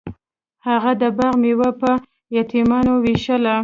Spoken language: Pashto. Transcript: هغه د باغ میوه په یتیمانو ویشله.